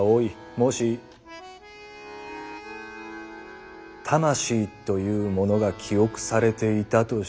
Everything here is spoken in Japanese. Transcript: もし魂というものが記憶されていたとしたら。